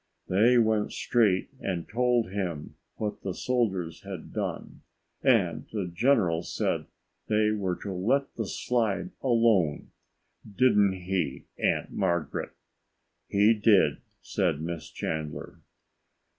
They went straight and told him what the soldiers had done. And the General said they were to let the slide alone. Didn't he, Aunt Margaret?" "He did," said Miss Chandler.